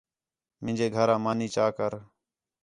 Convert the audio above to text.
مینجے گھر آ مانی چا کر